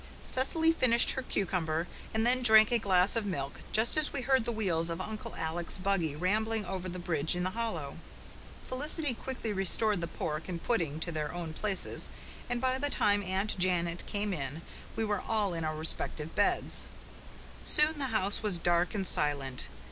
Cecily finished her cucumber, and then drank a glass of milk, just as we heard the wheels of Uncle Alec's buggy rambling over the bridge in the hollow. Felicity quickly restored pork and pudding to their own places, and by the time Aunt Janet came in we were all in our respective beds. Soon the house was dark and silent.